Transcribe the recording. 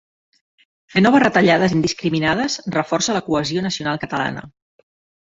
Fer noves retallades indiscriminades reforça la cohesió nacional catalana.